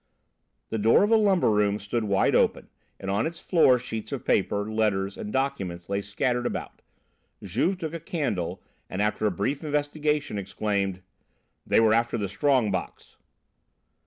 The door of a lumber room stood wide open, and on its floor sheets of paper, letters and documents lay scattered about. Juve took a candle and, after a brief investigation, exclaimed: "They were after the strong box."